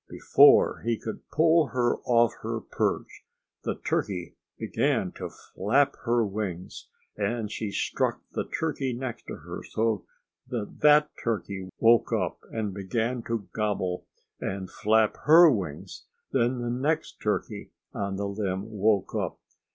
Before he could pull her off her perch the turkey began to flap her wings, and she struck the turkey next her, so that THAT turkey woke up and began to gobble and flap HER wings. Then the next turkey on the limb woke up.